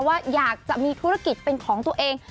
ว่าอยากจะมีธุรกิจเป็นของตัวเอง